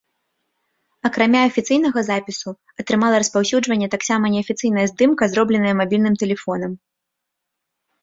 Акрамя афіцыйнага запісу атрымала распаўсюджванне таксама неафіцыйная здымка, зробленая мабільным тэлефонам.